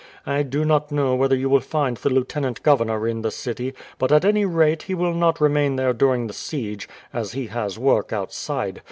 I do not know whether you will find the lieutenant governor in the city, but at any rate he will not remain there during the siege, as he has work outside.